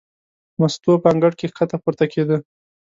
مستو په انګړ کې ښکته پورته کېده.